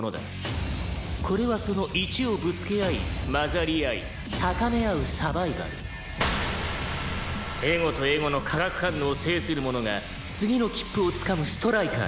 「これはその１をぶつけ合い混ざり合い高め合うサバイバル」「エゴとエゴの化学反応を制する者が次の切符をつかむストライカーだ」